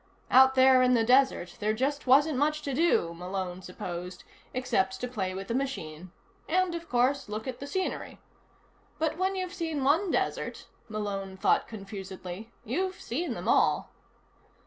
Out there in the desert, there just wasn't much to do, Malone supposed, except to play with the machine. And, of course, look at the scenery. But when you've seen one desert, Malone thought confusedly, you've seen them all.